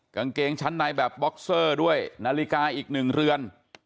กางเกงชั้นในแบบบ็อกเซอร์ด้วยนาฬิกาอีกหนึ่งเรือน